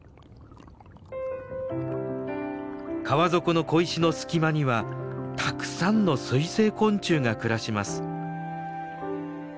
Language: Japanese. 川底の小石の隙間にはたくさんの水生昆虫が暮らします。